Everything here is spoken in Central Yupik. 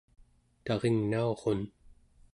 taringnaurun